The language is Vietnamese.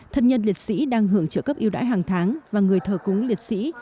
thân nhân liệt sĩ đang hưởng trợ cấp yêu đãi hàng tháng và người thờ cúng liệt sĩ